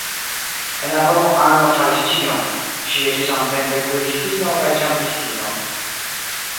En la domo Anjo faris ĉion; ŝi estis samtempe kuiristino kaj ĉambristino.